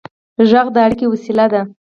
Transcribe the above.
غږ د اړیکې وسیله ده.